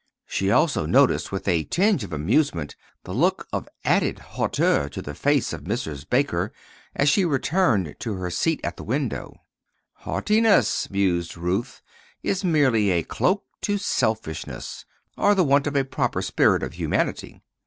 She also noticed with a tinge of amusement the look of added hauteur on the face of Mrs. Baker, as she returned to her seat at the window. "Haughtiness," mused Ruth, "is merely a cloak to selfishness, or the want of a proper spirit of humanity."